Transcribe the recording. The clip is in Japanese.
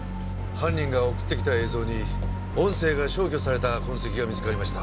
犯人が送ってきた映像に音声が消去された痕跡が見つかりました。